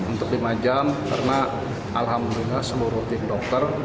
untuk lima jam karena alhamdulillah seluruh tim dokter